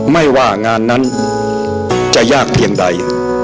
ไม่ว่างานนั้นจะยากเพียงใด